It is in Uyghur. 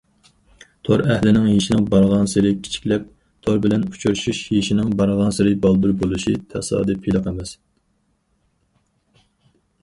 تور ئەھلىنىڭ يېشى بارغانسېرى كىچىكلەپ، تور بىلەن ئۇچرىشىش يېشىنىڭ بارغانسېرى بالدۇر بولۇشى تاسادىپىيلىق ئەمەس.